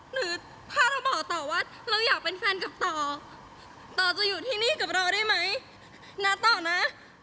หรือถ้าเราบอกต่อว่าเราอยากเป็นแฟนกับต่อต่อจะอยู่ที่นี่กับเราได้ไหมนะต่อนะ